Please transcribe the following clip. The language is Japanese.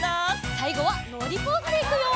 さいごはのりポーズでいくよ！